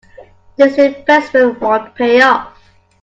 This investment won't pay off.